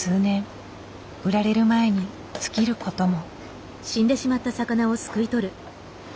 売られる前に尽きることも。